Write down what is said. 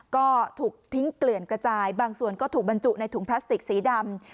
ก็ถูกทิ้งเกลื่อนกระจายบางส่วนก็ถูกบรรจุในถุงพลาสติกสีดำ